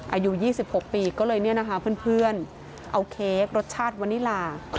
อายุ๒๖ปีก็เลยเพื่อนเอาเค้กรสชาติวานิลา